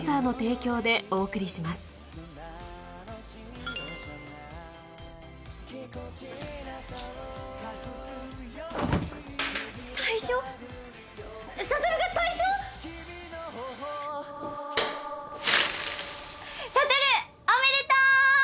おめでとう！